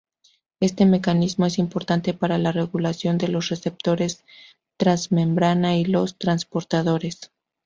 Este mecanismo es importante para la regulación de los receptores transmembrana y los transportadores.